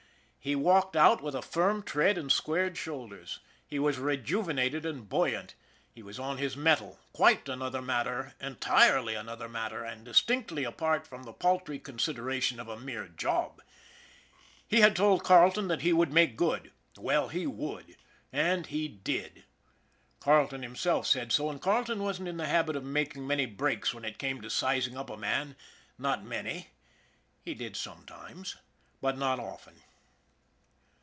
He walked out with a firm tread and squared shoulders. He was rejuvenated and buoyant. He was on his mettle quite another matter, entirely another matter, and distinctly apart from the paltry consideration of a mere job. He had told Carle ton that he would make good. Well, he would and he did. Carleton himself said so, and Carleton wasn't in the habit of making many breaks when it came to sizing up a man not many. He did sometimes, but not often.